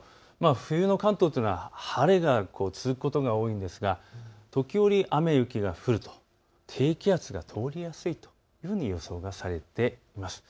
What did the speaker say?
冬の関東というのは晴れが続くことが多いんですが時折、雨や雪が降ると低気圧が通りやすいというふうに予想されています。